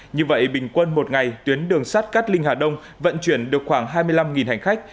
như vậy bình quân một ngày tuyến đường sát cát linh hà đông vận chuyển được khoảng hai mươi năm hành khách